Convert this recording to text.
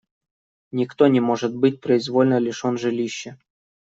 Никто не может быть произвольно лишен жилища.